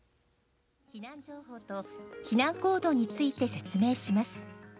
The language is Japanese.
避難情報と避難行動について説明します。